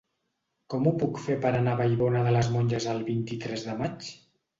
Com ho puc fer per anar a Vallbona de les Monges el vint-i-tres de maig?